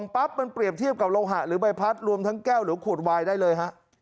ปั๊บมันเปรียบเทียบกับโลหะหรือใบพัดรวมทั้งแก้วหรือขวดวายได้เลยฮะ